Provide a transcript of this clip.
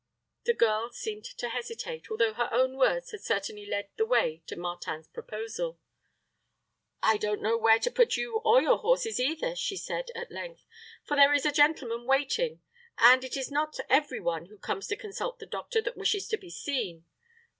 The girl seemed to hesitate, although her own words had certainly led the way to Martin's proposal. "I don't know where to put you or your horses either," she said, at length; "for there is a gentleman waiting, and it is not every one who comes to consult the doctor that wishes to be seen.